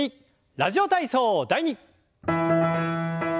「ラジオ体操第２」。